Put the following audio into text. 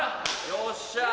よっしゃ。